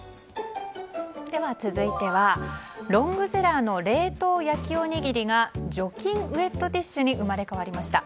では、続いてはロングセラーの冷凍焼おにぎりが除菌ウェットティッシュに生まれ変わりました。